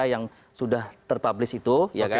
yang sudah terpublish itu